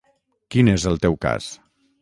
Quin és el teu cas?